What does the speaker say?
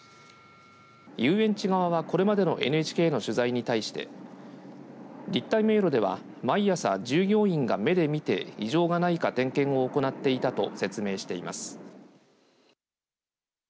遊園地側は、これまでのＮＨＫの取材に対して立体迷路では毎朝従業員が目で見て異常がないか点検を行っていたと説明しています。